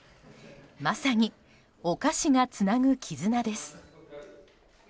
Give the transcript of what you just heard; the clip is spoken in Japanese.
まさに、お菓子がつなぐ絆です。